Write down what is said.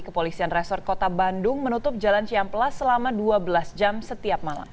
kepolisian resort kota bandung menutup jalan ciamplas selama dua belas jam setiap malam